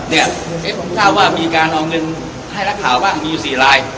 เนี่ยผมทราบว่ามีการรองเงินให้รักขาวบ้างมีอยู่สี่ลาย